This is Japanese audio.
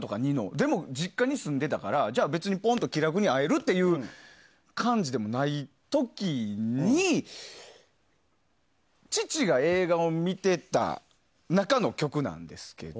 でも、実家に住んでたからじゃあ、別にポンと気楽に会えるって感じでもない時に父が映画を見てた中の曲なんですけど。